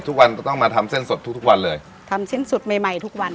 ทุกวันจะต้องมาทำเส้นสดทุกทุกวันเลยทำเส้นสดใหม่ใหม่ทุกวัน